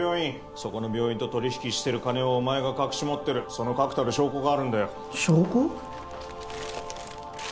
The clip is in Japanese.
そこの病院と取引してる金をお前が隠し持ってるその確たる証拠があるんだよ証拠？